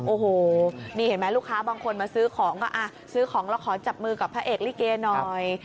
โอ้โหนี่เห็นไหมลูกค้าบางคนมาซื้อของก็ซื้อของแล้วขอจับมือกับพระเอกลิเกหน่อย